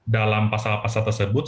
dalam pasal pasal tersebut